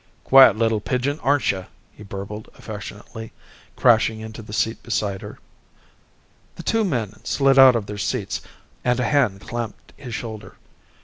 "Quiet li'l pigeon, aren'tcha?" he burbled affectionately, crashing into the seat beside her. The two men slid out of their seats, and a hand clamped his shoulder.